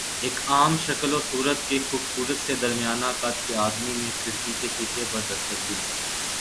ایک عام شکل و صورت کے خوبصورت سے درمیانہ قد کے آدمی نے کھڑکی کے شیشے پر دستک دی۔